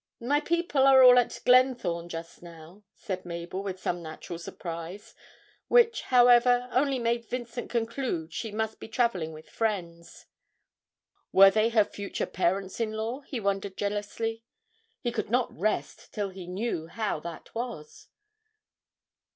'My people are all at Glenthorne just now,' said Mabel with some natural surprise, which, however, only made Vincent conclude she must be travelling with friends. Were they her future parents in law, he wondered jealously. He could not rest till he knew how that was.